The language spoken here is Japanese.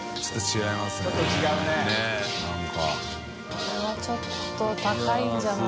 これはちょっと高いんじゃない？